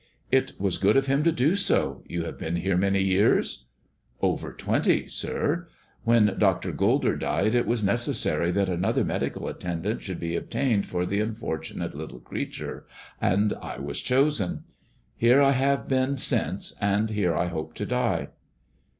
"It was good of him to do so. You have been here many years 1 "" Over twenty, sir. When Dr. Gulder died it was neces sary that another medical attendant should be obtained for the unfortunate little creature, and I was chosen. Here I have been since, and here I hope to die."